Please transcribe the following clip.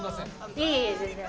いえいえ全然。